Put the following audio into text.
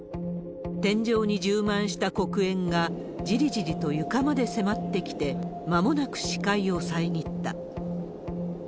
天井に充満した黒煙が、じりじりと床まで迫ってきて、まもなく視界を遮った。